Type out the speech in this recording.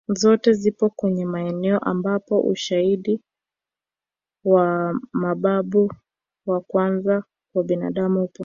Zote zipo kwenye maeneo ambapo ushaidi wa mababu wa kwanza kwa binadamu upo